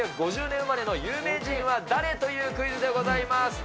１９５０年生まれの有名人は誰？というクイズでございます。